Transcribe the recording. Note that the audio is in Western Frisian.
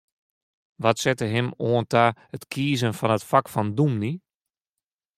Wat sette him oan ta it kiezen fan it fak fan dûmny?